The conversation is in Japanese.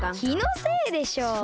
きのせいでしょ。